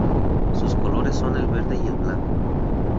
Sus colores son el verde y el blanco.